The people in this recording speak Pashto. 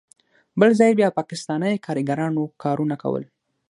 بل ځای بیا پاکستانی کاریګرانو کارونه کول.